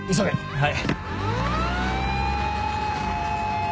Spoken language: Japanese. はい。